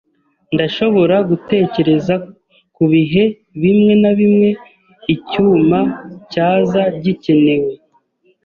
Ndashobora gutekereza ku bihe bimwe na bimwe icyuma cyaza gikenewe.